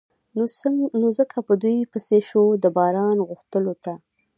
نو ځکه په دوی پسې شو د باران غوښتلو ته.